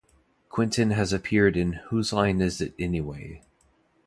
Quentin has appeared in Whose Line Is It Anyway?